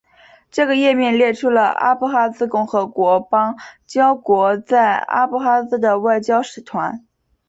这个页面列出了阿布哈兹共和国邦交国在阿布哈兹的外交使团。